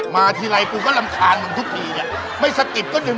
มาทีไรกูก็ลำคาญมันทุกทีเนี่ยไม่สะกิดก็ดึงไปนี่